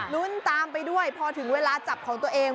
ลุ้นตามไปด้วยพอถึงเวลาจับของตัวเอง